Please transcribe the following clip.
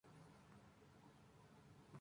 Lyra murió al ser golpeada por un tiro.